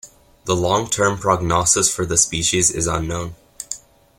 The long-term prognosis for the species is unknown.